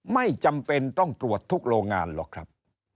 ไม่จำเป็นต้องตรวจทุกโรงงานหรอกครับ